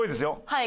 はい。